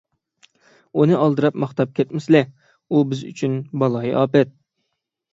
ئۇنى ئالدىراپ ماختاپ كەتمىسىلە، ئۇ بىز ئۈچۈن بالايىئاپەت.